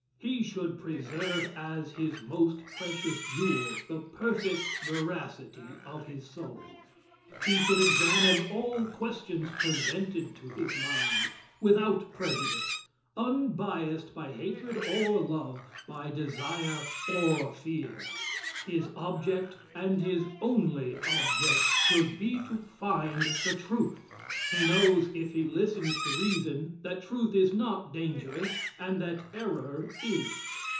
He should preserve as his most precious jewel the perfect veracity of his soul. He should examine all questions presented to his mind, without prejudice, unbiased by hatred or love by desire or fear. His object and his only object should be to find the truth. He knows, if he listens to reason, that truth is not dangerous and that error is.